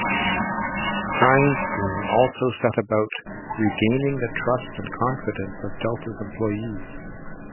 Grinstein also set about regaining the trust and confidence of Delta's employees.